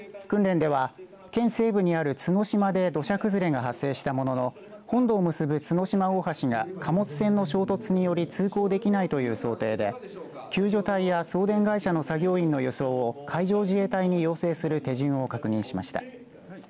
訓練では、県西部にある角島で土砂崩れが発生したものの本土を結ぶ角島大橋が貨物船の衝突により通行できないという想定で救助隊や送電会社の作業員の輸送を海上自衛隊に要請する手順を確認しました。